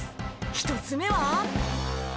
１つ目は。